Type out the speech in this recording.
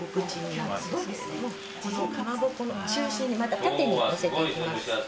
このかまぼこの中心に縦にのせていきます。